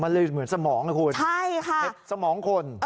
มันเลยเหมือนสมองค่ะคุณเห็ดสมองคนใช่ค่ะ